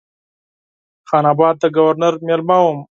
خان آباد د ګورنر مېلمه وم.